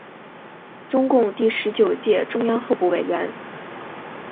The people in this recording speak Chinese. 中共第十九届中央候补委员。